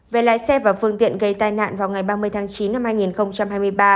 về lái xe và phương tiện gây tai nạn vào ngày ba mươi tháng chín năm hai nghìn hai mươi ba